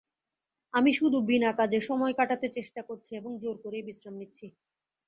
আমি শুধু বিনা কাজে সময় কাটাতে চেষ্টা করছি এবং জোর করেই বিশ্রাম নিচ্ছি।